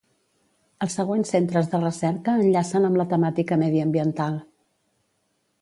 Els següents centres de recerca enllacen amb la temàtica mediambiental.